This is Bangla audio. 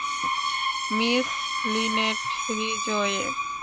Miss Linnet Ridgeway!